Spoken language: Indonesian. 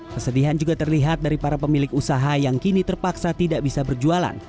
kesedihan juga terlihat dari para pemilik usaha yang kini terpaksa tidak bisa berjualan